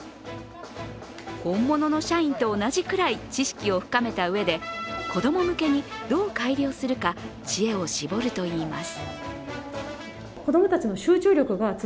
本物の社員と同じくらい知識を深めたうえで子供向けにどう改良するか知恵を絞るといいます。